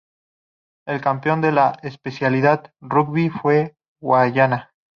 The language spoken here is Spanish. El campeón de la especialidad Rugby fue Guyana.